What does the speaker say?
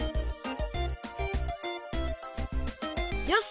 よし！